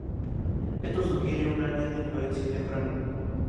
Esto sugiere un área de influencia temprana.